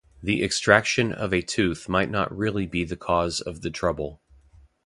The extraction of a tooth might not really be the cause of the trouble.